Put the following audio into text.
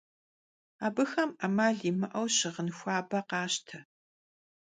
Abıxem 'emal yimı'eu şığın xuabe khaşte.